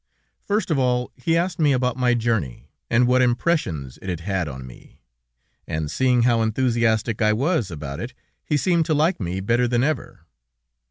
First of all, he asked me about my journey, and what impressions it had had on me, and seeing how enthusiastic I was about it, he seemed to like me better than ever.